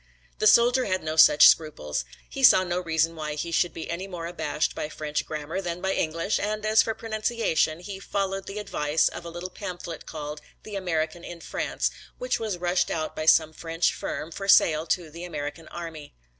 The soldier had no such scruples. He saw no reason why he should be any more abashed by French grammar than by English and as for pronunciation he followed the advice of a little pamphlet called "The American in France" which was rushed out by some French firm for sale to the American army.